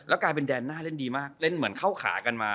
กลายเป็นแดนหน้าเล่นดีมากเล่นเหมือนเข้าขากันมา